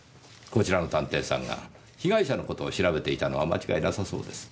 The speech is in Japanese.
こちらの探偵さんが被害者の事を調べていたのは間違いなさそうです。